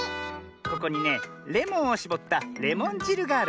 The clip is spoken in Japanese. ここにねレモンをしぼったレモンじるがある。